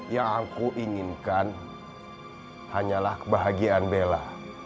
yang aku inginkan hanyalah kebahagiaan bella